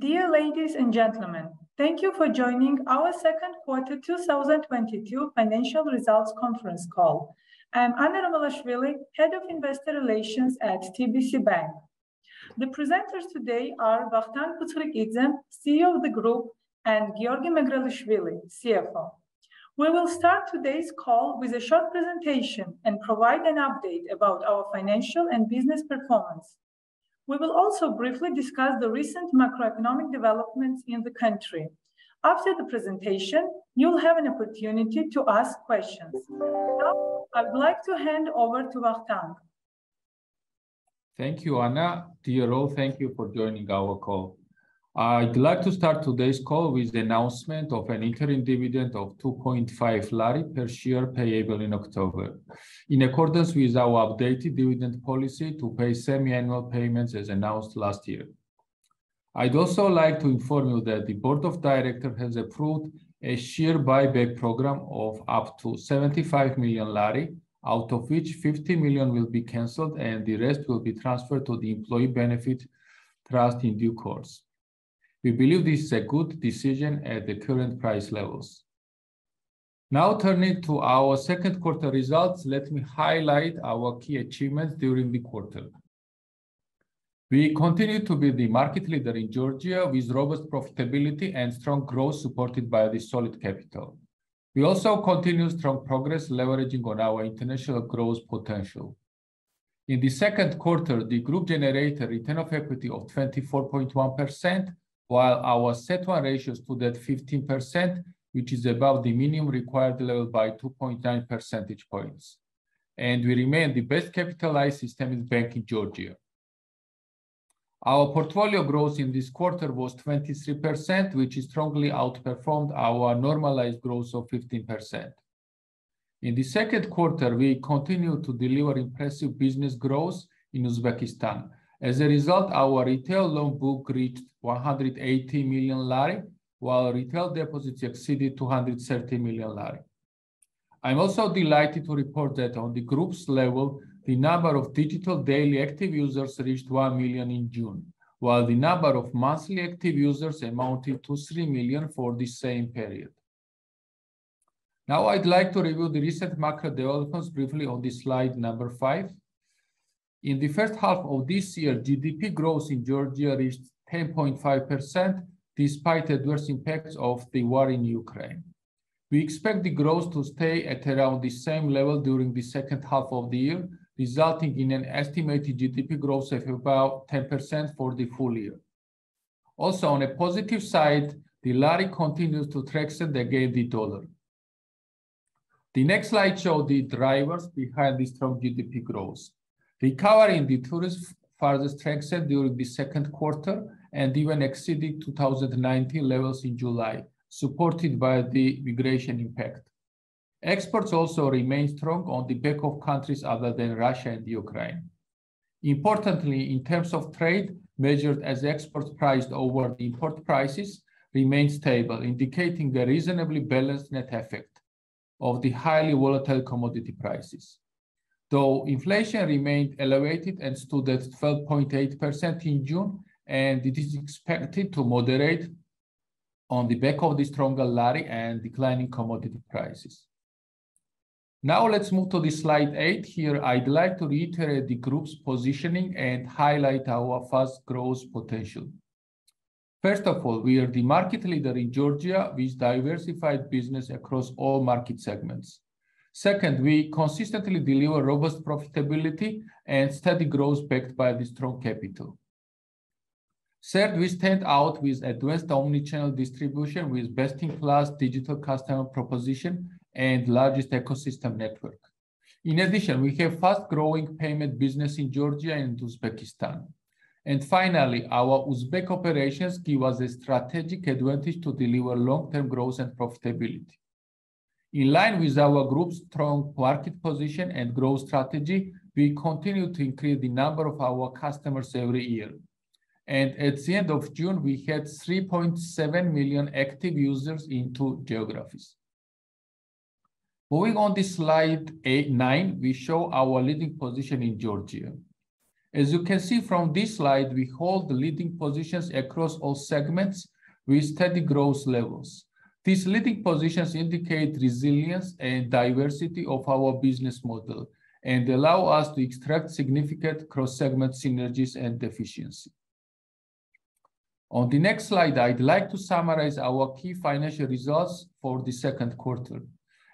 Dear ladies and gentlemen, thank you for joining our Q2 2022 financial results conference call. I'm Anna Romelashvili, Head of Investor Relations at TBC Bank. The presenters today are Vakhtang Butskhrikidze, CEO of the Group, and Giorgi Megrelishvili, CFO. We will start today's call with a short presentation and provide an update about our financial and business performance. We will also briefly discuss the recent macroeconomic developments in the country. After the presentation, you'll have an opportunity to ask questions. Now, I would like to hand over to Vakhtang. Thank you, Ana. Dear all, thank you for joining our call. I'd like to start today's call with the announcement of an interim dividend of 2.5 GEL per share payable in October in accordance with our updated dividend policy to pay semi-annual payments as announced last year. I'd also like to inform you that the board of directors has approved a share buyback program of up to GEL 75 million, out of which GEL 50 million will be canceled and the rest will be transferred to the employee benefit trust in due course. We believe this is a good decision at the current price levels. Now turning to our second quarter results, let me highlight our key achievements during the quarter. We continue to be the market leader in Georgia with robust profitability and strong growth supported by the solid capital. We also continue strong progress leveraging on our international growth potential. In the second quarter, the group generated return of equity of 24.1%, while our CET1 ratios stood at 15%, which is above the minimum required level by 2.9 percentage points, and we remain the best capitalized bank in the banking system in Georgia. Our portfolio growth in this quarter was 23%, which has strongly outperformed our normalized growth of 15%. In the second quarter, we continued to deliver impressive business growth in Uzbekistan. As a result, our retail loan book reached GEL 180 million, while retail deposits exceeded GEL 230 million. I'm also delighted to report that on the group's level, the number of digital daily active users reached 1 million in June, while the number of monthly active users amounted to 3 million for the same period. Now I'd like to review the recent market developments briefly on the slide number five. In the first half of this year, GDP growth in Georgia reached 10.5% despite adverse impacts of the war in Ukraine. We expect the growth to stay at around the same level during the second half of the year, resulting in an estimated GDP growth of about 10% for the full year. Also, on a positive side, the lari continues to strengthen against the dollar. The next slide show the drivers behind the strong GDP growth. Recovery in the tourist arrivals strengthened during the second quarter and even exceeding 2019 levels in July, supported by the migration impact. Exports also remain strong on the back of countries other than Russia and Ukraine. Importantly, in terms of trade, measured as exports priced over the import prices remains stable, indicating a reasonably balanced net effect of the highly volatile commodity prices. Though inflation remained elevated and stood at 12.8% in June, and it is expected to moderate on the back of the stronger lari and declining commodity prices. Now let's move to the slide eight. Here, I'd like to reiterate the group's positioning and highlight our fast growth potential. First of all, we are the market leader in Georgia with diversified business across all market segments. Second, we consistently deliver robust profitability and steady growth backed by the strong capital. Third, we stand out with advanced omni-channel distribution with best-in-class digital customer proposition and largest ecosystem network. In addition, we have fast-growing payment business in Georgia and Uzbekistan. Finally, our Uzbek operations give us a strategic advantage to deliver long-term growth and profitability. In line with our group's strong market position and growth strategy, we continue to increase the number of our customers every year. At the end of June, we had 3.7 million active users in two geographies. Moving on to slide nine, we show our leading position in Georgia. As you can see from this slide, we hold leading positions across all segments with steady growth levels. These leading positions indicate resilience and diversity of our business model and allow us to extract significant cross-segment synergies and efficiency. On the next slide, I'd like to summarize our key financial results for the second quarter.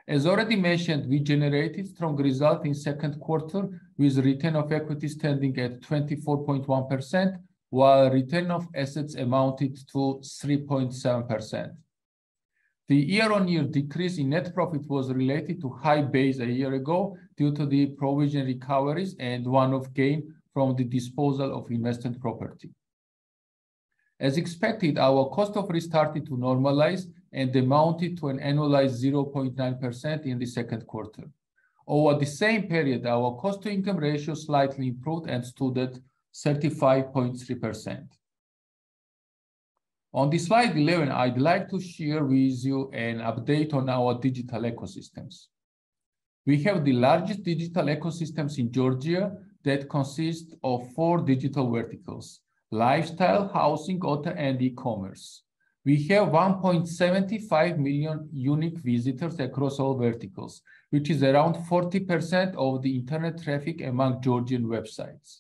As already mentioned, we generated strong results in second quarter with return on equity standing at 24.1%, while return on assets amounted to 3.7%. The year-on-year decrease in net profit was related to high base a year ago due to the provision recoveries and one-off gain from the disposal of investment property. As expected, our cost of risk started to normalize and amounted to an annualized 0.9% in the second quarter. Over the same period, our cost-to-income ratio slightly improved and stood at 35.3%. On slide 11, I'd like to share with you an update on our digital ecosystem. We have the largest digital ecosystem in Georgia that consists of four digital verticals, lifestyle, housing, auto, and e-commerce. We have 1.75 million unique visitors across all verticals, which is around 40% of the internet traffic among Georgian websites.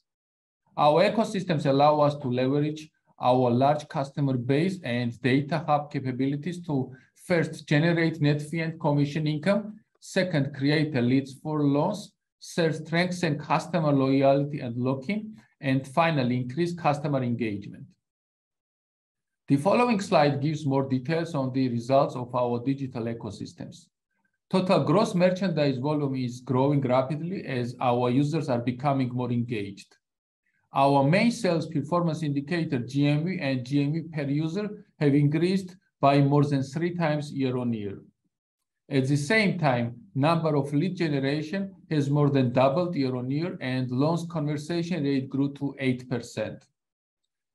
Our ecosystems allow us to leverage our large customer base and data hub capabilities to, first, generate net fee and commission income, second, create leads for loans, third, strengthen customer loyalty and locking, and finally, increase customer engagement. The following slide gives more details on the results of our digital ecosystems. Total gross merchandise volume is growing rapidly as our users are becoming more engaged. Our main sales performance indicator, GMV and GMV per user, have increased by more than 3x year-on-year. At the same time, number of lead generation has more than doubled year-on-year, and loans conversion rate grew to 8%.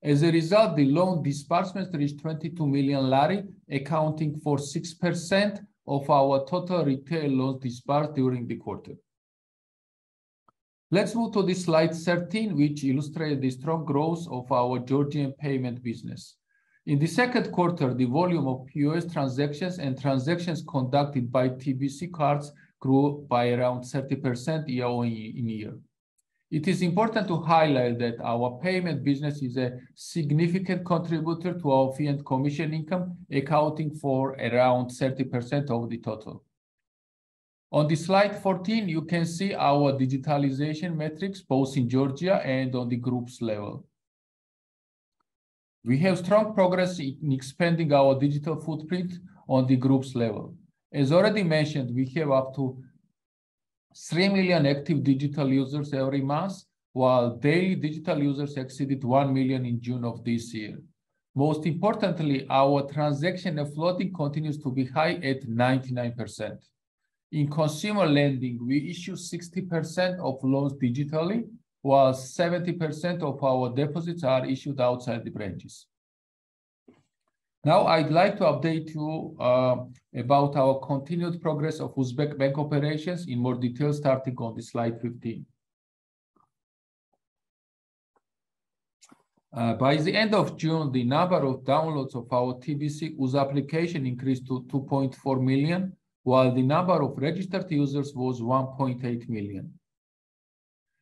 As a result, the loan disbursements reached GEL 22 million, accounting for 6% of our total retail loans disbursed during the quarter. Let's move to the slide 13, which illustrates the strong growth of our Georgian payment business. In the second quarter, the volume of POS transactions and transactions conducted by TBC Cards grew by around 30% year-on-year. It is important to highlight that our payment business is a significant contributor to our fee and commission income, accounting for around 30% of the total. On the slide 14, you can see our digitalization metrics, both in Georgia and on the group's level. We have strong progress in expanding our digital footprint on the group's level. As already mentioned, we have up to 3 million active digital users every month, while daily digital users exceeded 1 million in June of this year. Most importantly, our transaction offloading continues to be high at 99%. In consumer lending, we issue 60% of loans digitally, while 70% of our deposits are issued outside the branches. Now I'd like to update you about our continued progress of Uzbek bank operations in more detail, starting on the slide 15. By the end of June, the number of downloads of our TBC UZ application increased to 2.4 million, while the number of registered users was 1.8 million.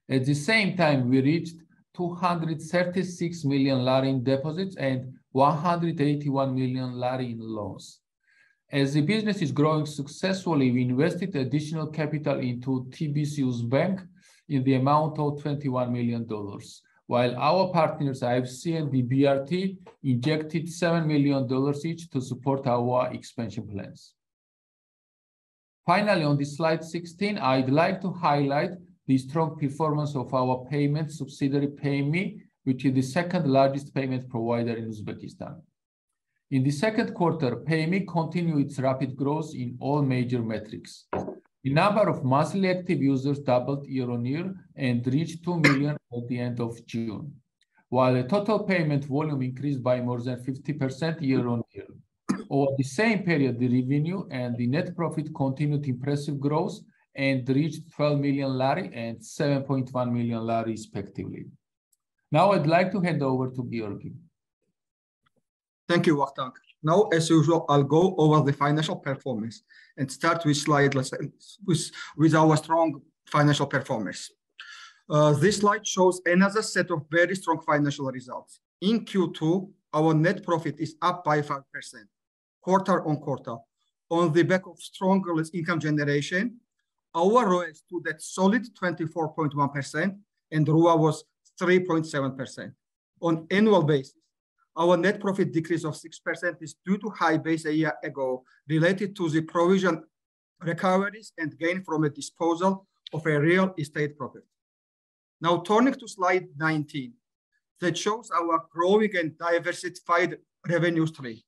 At the same time, we reached GEL 236 million in deposits and GEL 181 million in loans. As the business is growing successfully, we invested additional capital into TBC Bank Uzbekistan in the amount of $21 million, while our partners, IFC and EBRD, injected $7 million each to support our expansion plans. Finally, on slide 16, I'd like to highlight the strong performance of our payment subsidiary, Payme, which is the second-largest payment provider in Uzbekistan. In the second quarter, Payme continued its rapid growth in all major metrics. The number of monthly active users doubled year-on-year and reached 2 million at the end of June, while the total payment volume increased by more than 50% year-on-year. Over the same period, the revenue and the net profit continued impressive growth and reached GEL 12 million and GEL 7.1 million, respectively. Now I'd like to hand over to Giorgi. Thank you, Vakhtang. Now, as usual, I'll go over the financial performance and start with our strong financial performance. This slide shows another set of very strong financial results. In Q2, our net profit is up by 5% quarter-on-quarter. On the back of stronger income generation, our ROE stood at solid 24.1% and ROA was 3.7%. On annual basis, our net profit decrease of 6% is due to high base a year ago related to the provision recoveries and gain from a disposal of a real estate profit. Now turning to slide 19, that shows our growing and diversified revenue stream.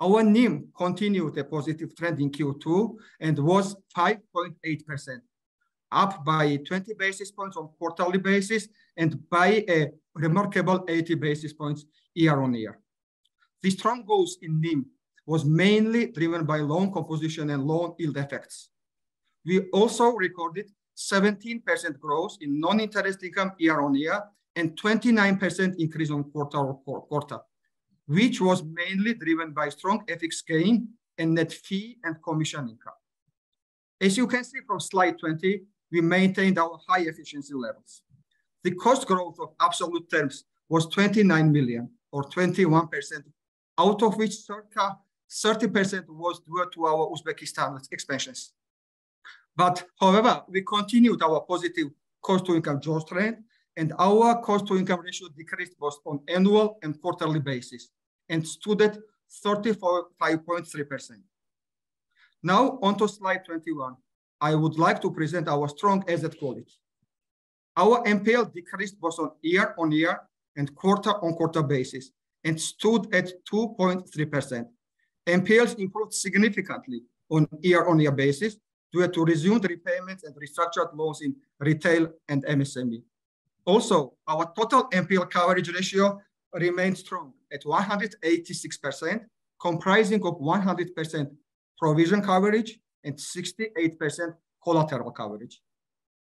Our NIM continued a positive trend in Q2 and was 5.8%, up by 20 basis points on quarterly basis and by a remarkable 80 basis points year-on-year. The strong growth in NIM was mainly driven by loan composition and loan yield effects. We also recorded 17% growth in non-interest income year-on-year and 29% increase quarter-over-quarter, which was mainly driven by strong FX gain and net fee and commission income. As you can see from slide 20, we maintained our high efficiency levels. The cost growth in absolute terms was GEL 29 million or 21%, out of which circa 30% was due to our Uzbekistan expansions. We continued our positive cost-to-income growth trend, and our cost-to-income ratio decreased both on annual and quarterly basis, and stood at 34.5%. Now onto slide 21, I would like to present our strong asset quality. Our NPL decreased both on year-on-year and quarter-on-quarter basis and stood at 2.3%. NPLs improved significantly on year-on-year basis due to resumed repayments and restructured loans in retail and MSME. Also, our total NPL coverage ratio remains strong at 186%, comprising of 100% provision coverage and 68% collateral coverage.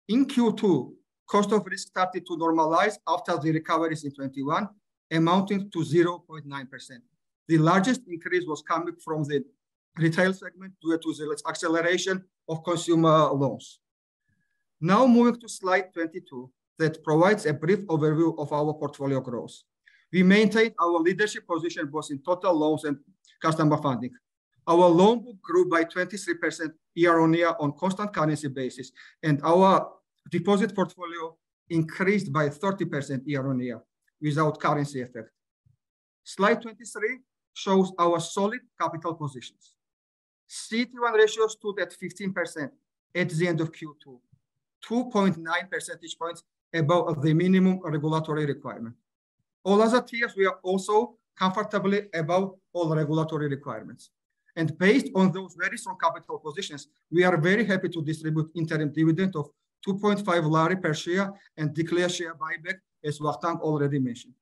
In Q2, cost of risk started to normalize after the recoveries in 2021, amounting to 0.9%. The largest increase was coming from the retail segment due to the acceleration of consumer loans. Now moving to slide 22, that provides a brief overview of our portfolio growth. We maintain our leadership position both in total loans and customer funding. Our loan book grew by 23% year-on-year on constant currency basis, and our deposit portfolio increased by 30% year-on-year without currency effect. Slide 23 shows our solid capital positions. CET1 ratios stood at 15% at the end of Q2, 2.9 percentage points above the minimum regulatory requirement. All other tiers, we are also comfortably above all regulatory requirements. Based on those very strong capital positions, we are very happy to distribute interim dividend of GEL 2.5 per share and declare share buyback, as Vakhtang already mentioned.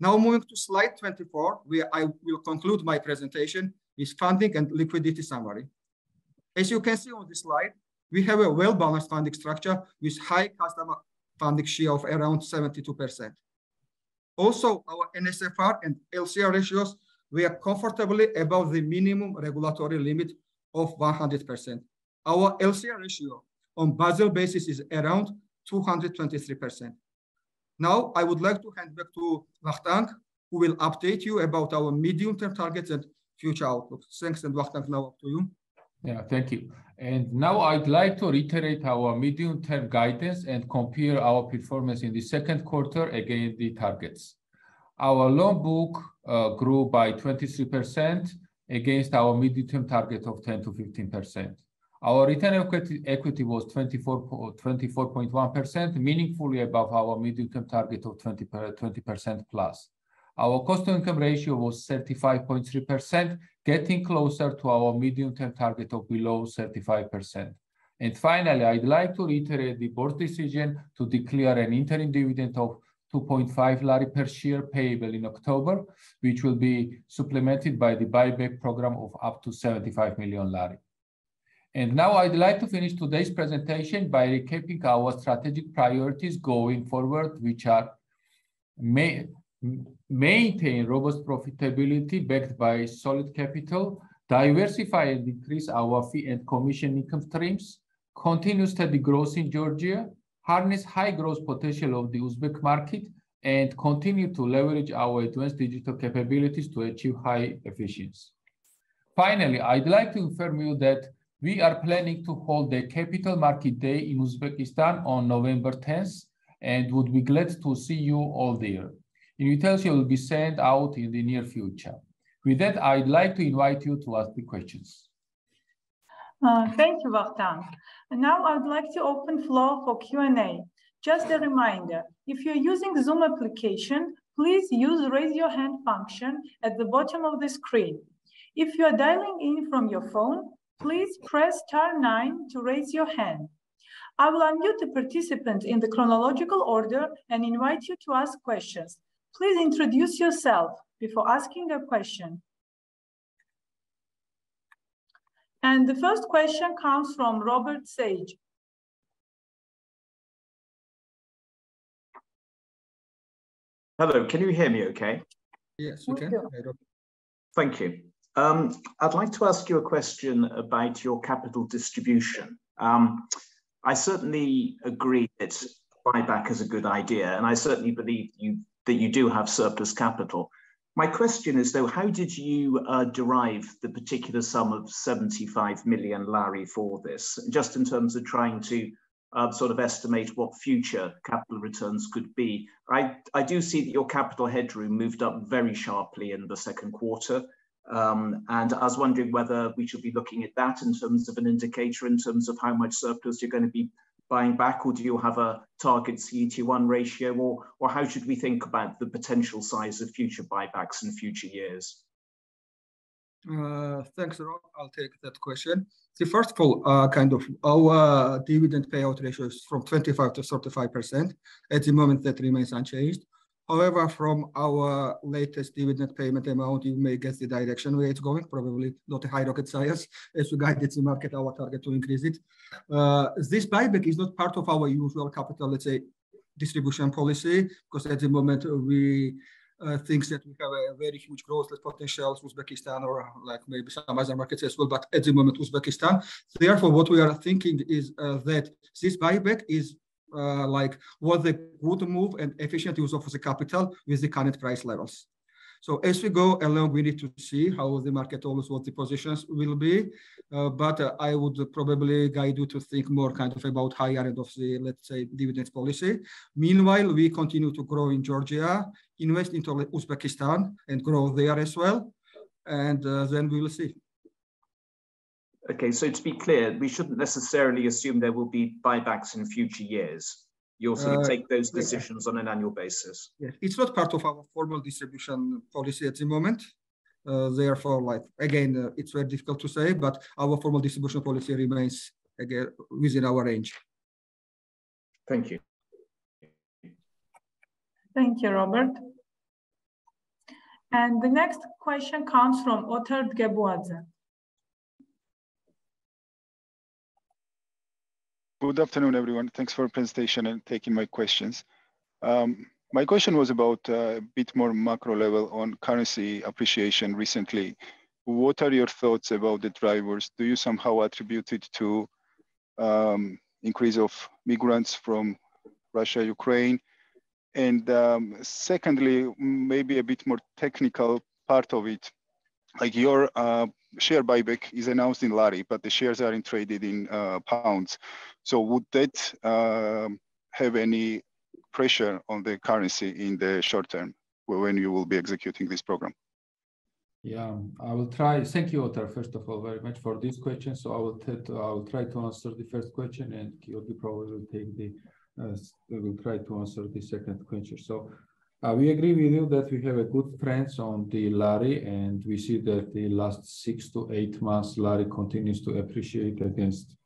Now moving to slide 24, where I will conclude my presentation with funding and liquidity summary. As you can see on this slide, we have a well-balanced funding structure with high customer funding share of around 72%. Our NSFR and LCR ratios, we are comfortably above the minimum regulatory limit of 100%. Our LCR ratio on Basel basis is around 223%. Now, I would like to hand back to Vakhtang, who will update you about our medium-term targets and future outlook. Thanks, and Vakhtang, now up to you. Yeah, thank you. Now I'd like to reiterate our medium-term guidance and compare our performance in the second quarter against the targets. Our loan book grew by 23% against our medium-term target of 10%-15%. Our return on equity was 24.1%, meaningfully above our medium-term target of 20%+. Our cost income ratio was 35.3%, getting closer to our medium-term target of below 35%. Finally, I'd like to reiterate the board decision to declare an interim dividend of 2.5 GEL per share payable in October, which will be supplemented by the buyback program of up to 75 million GEL. Now I'd like to finish today's presentation by recapping our strategic priorities going forward, which are maintain robust profitability backed by solid capital, diversify and increase our fee and commission income streams, continue steady growth in Georgia, harness high growth potential of the Uzbek market, and continue to leverage our advanced digital capabilities to achieve high efficiency. Finally, I'd like to inform you that we are planning to hold a capital market day in Uzbekistan on November 10th, and would be glad to see you all there. The details will be sent out in the near future. With that, I'd like to invite you to ask the questions. Thank you, Vakhtang. Now I'd like to open floor for Q&A. Just a reminder, if you're using Zoom application, please use Raise Your Hand function at the bottom of the screen. If you are dialing in from your phone, please press star nine to raise your hand. I will unmute a participant in the chronological order and invite you to ask questions. Please introduce yourself before asking a question. The first question comes from Robert Sage. Hello. Can you hear me okay? Yes, we can. We can. Thank you. I'd like to ask you a question about your capital distribution. I certainly agree that buyback is a good idea, and I certainly believe you, that you do have surplus capital. My question is, though, how did you derive the particular sum of GEL 75 million for this? Just in terms of trying to sort of estimate what future capital returns could be. I do see that your capital headroom moved up very sharply in the second quarter. I was wondering whether we should be looking at that in terms of an indicator in terms of how much surplus you're gonna be buying back, or do you have a target CET1 ratio, or how should we think about the potential size of future buybacks in future years? Thanks, Rob. I'll take that question. See, first of all, kind of our dividend payout ratio is from 25%-35%. At the moment, that remains unchanged. However, from our latest dividend payment amount, you may guess the direction where it's going, probably not a high rocket science, as we guided the market our target to increase it. This buyback is not part of our usual capital, let's say, distribution policy, because at the moment we think that we have a very huge growth potential in Uzbekistan or, like, maybe some other markets as well, but at the moment, Uzbekistan. Therefore, what we are thinking is, that this buyback is like a good move and efficient use of the capital with the current price levels. As we go along, we need to see how the market absorbs what the positions will be. I would probably guide you to think more kind of about higher end of the, let's say, dividend policy. Meanwhile, we continue to grow in Georgia, invest into Uzbekistan, and grow there as well, and then we will see. Okay, to be clear, we shouldn't necessarily assume there will be buybacks in future years. Uh- You'll sort of take those decisions on an annual basis. Yeah. It's not part of our formal distribution policy at the moment, therefore, like again, it's very difficult to say, but our formal distribution policy remains again within our range. Thank you. Thank you, Robert. The next question comes from Otar Dgebuadze. Good afternoon, everyone. Thanks for presentation and taking my questions. My question was about a bit more macro level on currency appreciation recently. What are your thoughts about the drivers? Do you somehow attribute it to increase of migrants from Russia, Ukraine? Secondly, maybe a bit more technical part of it, like your share buyback is announced in lari, but the shares are traded in pounds. Would that have any pressure on the currency in the short term when you will be executing this program? Thank you Otar, first of all, very much for this question. I will try to answer the first question, and Giorgi probably will try to answer the second question. We agree with you that we have good trends on the lari, and we see that the last 6-8 months, lari continues to appreciate against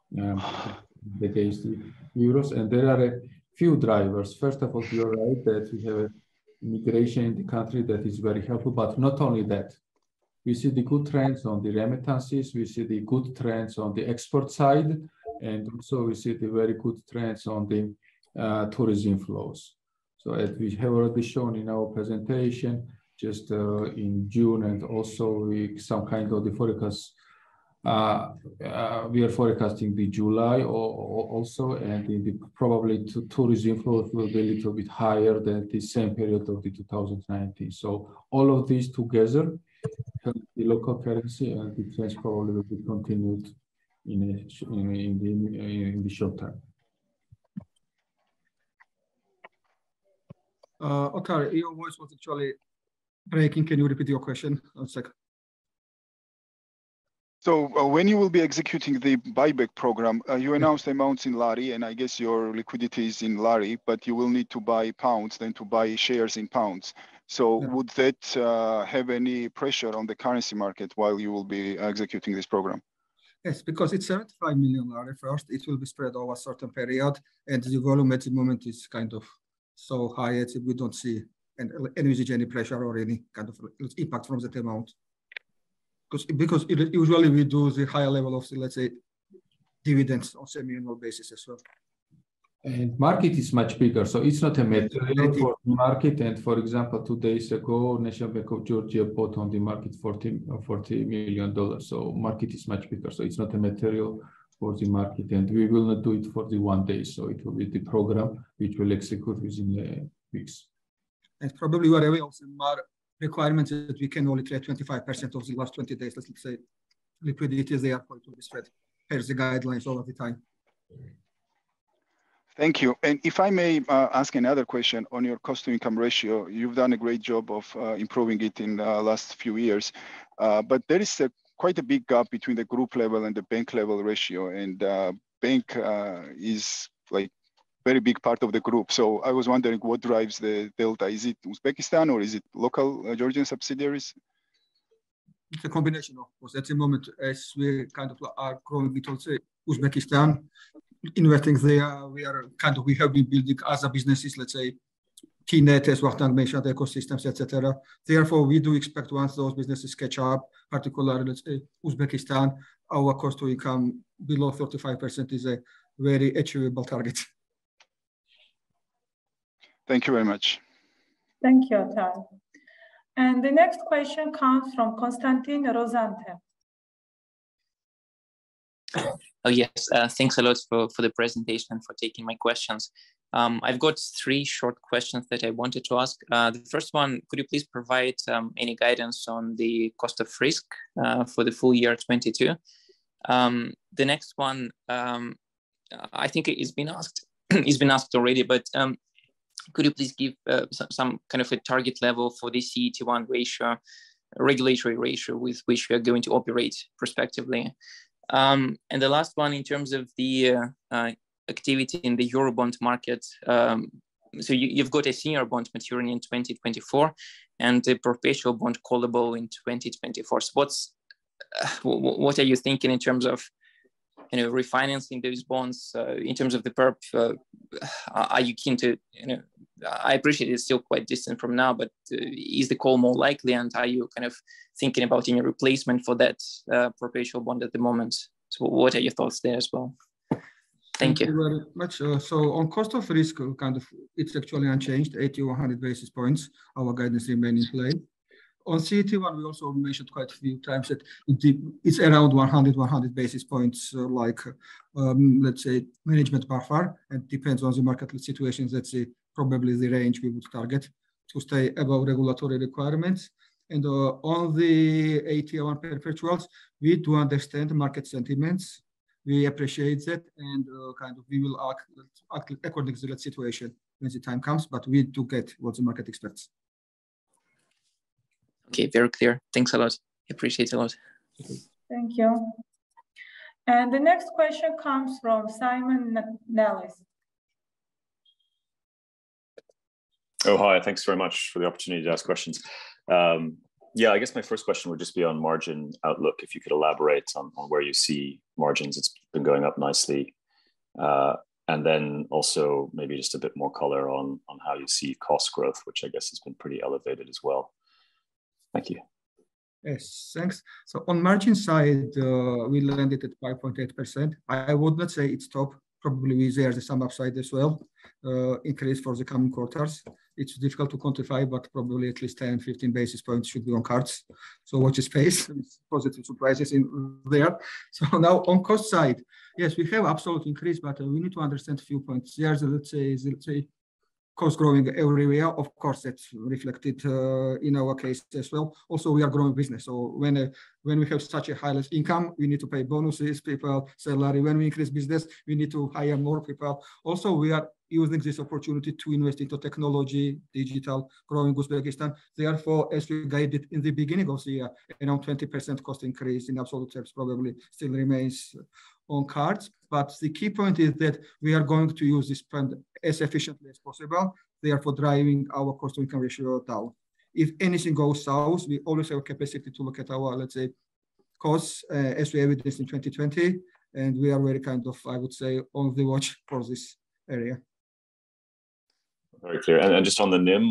euros, and there are a few drivers. First of all, you are right that we have immigration in the country that is very helpful, but not only that. We see the good trends on the remittances. We see the good trends on the export side, and also we see the very good trends on the tourism flows. As we have already shown in our presentation, just in June and also, we are forecasting July also, and probably tourist arrivals will be a little bit higher than the same period of 2019. All of these together help the local currency, and the trends probably will be continued in the short term. Otar, your voice was actually breaking. Can you repeat your question one sec? When you will be executing the buyback program, you announced amounts in lari, and I guess your liquidity is in lari, but you will need to buy pounds then to buy shares in pounds. Yeah. Would that have any pressure on the currency market while you will be executing this program? Yes, because it's GEL 75 million first. It will be spread over a certain period, and the volume at the moment is kind of so high that we don't see any significant pressure or any kind of impact from that amount. Because usually we do the higher level of the, let's say, dividends on semi-annual basis as well. Market is much bigger, so it's not a material for market. For example, two days ago, National Bank of Georgia bought on the market $40 million. Market is much bigger, so it's not a material for the market. We will not do it for the one day, so it will be the program which will execute within the weeks. Probably you are aware of some requirements that we can only trade 25% of the last 20 days. Let's say liquidity is there, going to be spread, per the guidelines all of the time. Thank you. If I may ask another question. On your cost-to-income ratio, you've done a great job of improving it in last few years. But there is quite a big gap between the group level and the bank level ratio, and bank is like very big part of the group. I was wondering what drives the delta. Is it Uzbekistan or is it local Georgian subsidiaries? It's a combination of both. At the moment, as we kind of are growing, we could say Uzbekistan, investing there, we have been building as a businesses, let's say, Tnet, as well as Bank of Georgia ecosystems, et cetera. Therefore, we do expect once those businesses catch up, particularly let's say Uzbekistan, our cost to income below 35% is a very achievable target. Thank you very much. Thank you, Otar. The next question comes from Konstantin Rozantsev. Yes. Thanks a lot for the presentation, for taking my questions. I've got three short questions that I wanted to ask. The first one, could you please provide any guidance on the cost of risk for the full year 2022? The next one, I think it's been asked already, but could you please give some kind of a target level for the CET1 ratio, regulatory ratio with which we are going to operate prospectively? The last one in terms of the activity in the Eurobond market. You've got a senior bond maturing in 2024 and a perpetual bond callable in 2024. What are you thinking in terms of refinancing those bonds in terms of the perp? Are you keen to, you know, I appreciate it's still quite distant from now, but is the call more likely, and are you kind of thinking about any replacement for that perpetual bond at the moment? What are your thoughts there as well? Thank you. Thank you very much. On cost of risk, kind of it's actually unchanged, 80-100 basis points. Our guidance remains in play. On CET1, we also mentioned quite a few times that it's around 100 basis points, like, let's say management buffer, and depends on the market situations. That's probably the range we would target to stay above regulatory requirements. On the AT1 perpetuals, we do understand market sentiments. We appreciate that, kind of we will act according to that situation when the time comes. We do get what the market expects. Okay, very clear. Thanks a lot. Appreciate a lot. Thank you. The next question comes from Simon Nellis. Oh, hi. Thanks very much for the opportunity to ask questions. Yeah, I guess my first question would just be on margin outlook, if you could elaborate on where you see margins. It's been going up nicely. And then also maybe just a bit more color on how you see cost growth, which I guess has been pretty elevated as well. Thank you. Yes. Thanks. On margin side, we landed at 5.8%. I would not say it's top. Probably there is some upside as well, increase for the coming quarters. It's difficult to quantify, but probably at least 10, 15 basis points should be on cards. Watch this space positive surprises in there. Now on cost side, yes, we have absolute increase, but we need to understand a few points. There's, let's say, cost growing everywhere. Of course, that's reflected in our case as well. Also, we are growing business, so when we have such a high lease income, we need to pay bonuses, people, salary. When we increase business, we need to hire more people. Also, we are using this opportunity to invest into technology, digital, growing Uzbekistan. Therefore, as we guided in the beginning of the year, around 20% cost increase in absolute terms probably still remains on cards. The key point is that we are going to use this spend as efficiently as possible, therefore driving our cost income ratio down. If anything goes south, we always have capacity to look at our, let's say, costs, as we have it is in 2020, and we are very kind of, I would say, on the watch for this area. Very clear. Just on the NIM,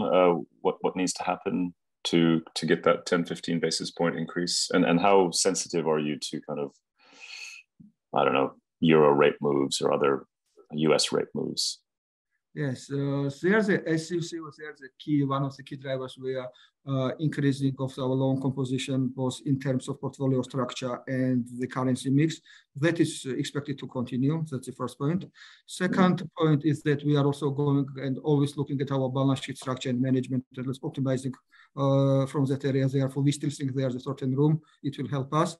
what needs to happen to get that 10-15 basis point increase? How sensitive are you to kind of, I don't know, Euro rate moves or other US rate moves? Yes. As you see, there's a key, one of the key drivers we are increasing of our loan composition, both in terms of portfolio structure and the currency mix. That is expected to continue. That's the first point. Second point is that we are also going and always looking at our balance sheet structure and management and optimizing from that area. Therefore, we still think there's a certain room it will help us.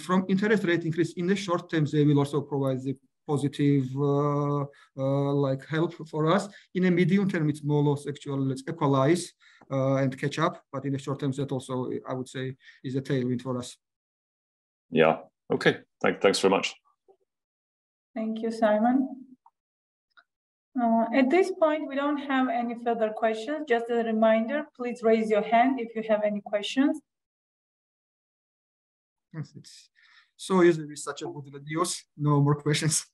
From interest rate increase, in the short term, they will also provide the positive, like help for us. In the medium term, it's more or less actually let's equalize and catch up, but in the short term, that also, I would say, is a tailwind for us. Yeah. Okay. Thanks very much. Thank you, Simon. At this point, we don't have any further questions. Just a reminder, please raise your hand if you have any questions. Yes, it's so easy with such a good news. No more questions.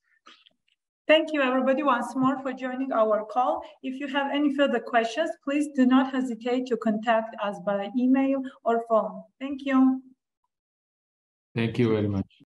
Thank you everybody once more for joining our call. If you have any further questions, please do not hesitate to contact us by email or phone. Thank you. Thank you very much.